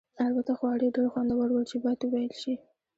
البته خواړه یې ډېر خوندور ول چې باید وویل شي.